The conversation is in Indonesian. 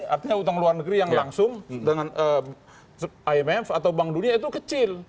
artinya utang luar negeri yang langsung dengan imf atau bank dunia itu kecil